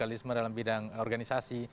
ada radikalisme dalam bidang organisasi